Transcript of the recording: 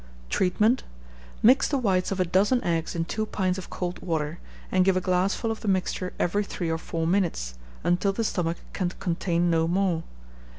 Treatment. Mix the whites of a dozen eggs in two pints of cold water, and give a glassful of the mixture every three or four minutes, until the stomach can contain no more.